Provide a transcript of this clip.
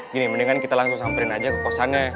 gini mendingan kita langsung samperin aja ke kosannya